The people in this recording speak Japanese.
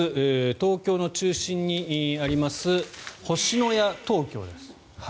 東京の中心にあります星のや東京です。